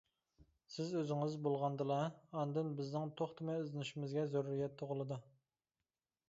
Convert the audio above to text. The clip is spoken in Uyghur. «سىز ئۆزىڭىز» بولغاندىلا ئاندىن بىزنىڭ توختىماي ئىزدىنىشىمىزگە زۆرۈرىيەت تۇغۇلىدۇ.